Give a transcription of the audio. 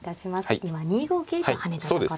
今２五桂と跳ねたところです。